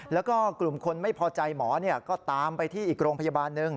แล้วก็กลุ่มคนไม่พอใจหมอก็ตามไปที่อีกโรงพยาบาลหนึ่ง